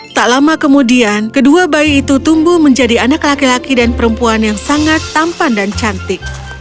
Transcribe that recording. tak lama kemudian kedua bayi itu tumbuh menjadi anak laki laki dan perempuan yang sangat tampan dan cantik